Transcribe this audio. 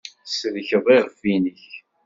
Tsellkeḍ iɣef-nnek.